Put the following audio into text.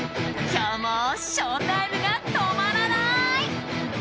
今日もショータイムが止まらない！